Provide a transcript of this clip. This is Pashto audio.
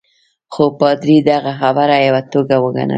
خو پادري دغه خبره یوه ټوکه وګڼل.